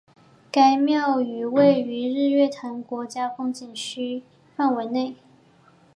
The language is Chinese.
该庙宇位于日月潭国家风景区范围内。